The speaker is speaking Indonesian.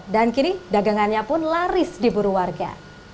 dan kini dagangannya pun laris di buru warga